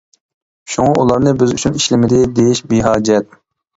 شۇڭا ئۇلارنى بىز ئۈچۈن ئىشلىمىدى دېيىش بىھاجەت.